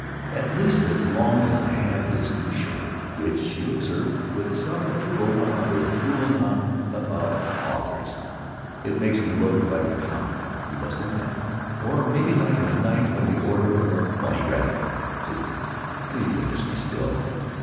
At least as long as I have this new shirt, which you observed with some approval while I was drooling on about authors? It makes me look like a count, you must admit. Or maybe like a Knight of the Order of the Bunny Rabbit. Please let me be a mystery still."